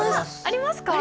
ありますか？